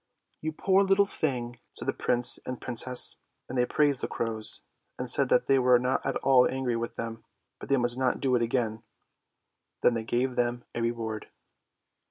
" You poor little thing! " said the Prince and Princess. And they praised the crows, and said that they were not at all angry with them, but they must not do it again. Then they gave them a reward.